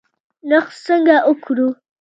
نوښت څنګه وکړو؟